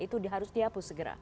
itu harus dihapus segera